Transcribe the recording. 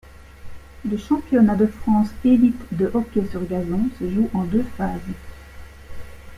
Le championnat de France Elite de hockey sur gazon se joue en deux phases.